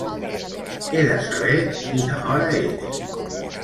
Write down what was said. He de saber quina hora és.